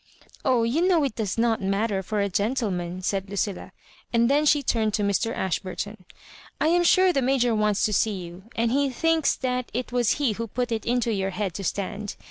Oh, you know it does not matter for a gentle man," said Lucilla ; and then she turned to Mr. Ashburton —*' I am sure the Major wants to see you, and he thinks that it was he who put it into your head to stand.